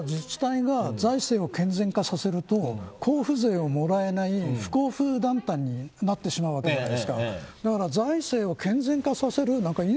自治体が財政を健全化させると交付税をもらえない不交付団体になってしまうわけじゃない。